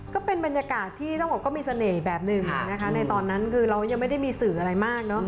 ก็เป็นบรรยากาศที่ต้องบอกว่ามีเสน่ห์แบบหนึ่งนะคะในตอนนั้นคือเรายังไม่ได้มีสื่ออะไรมากเนอะ